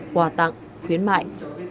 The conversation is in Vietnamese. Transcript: hòa tặng khuyến mại